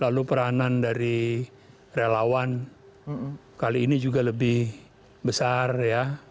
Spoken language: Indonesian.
lalu peranan dari relawan kali ini juga lebih besar ya